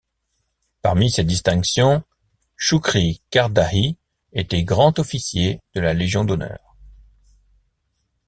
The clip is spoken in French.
Parmi ses distinctions, Choucri Cardahi était grand officier de la Légion d’honneur.